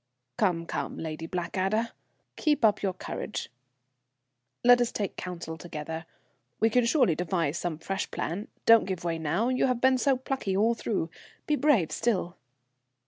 "Come, come, Lady Blackadder, keep up your courage. Let us take counsel together. We can surely devise some fresh plan. Don't give way now; you have been so plucky all through. Be brave still."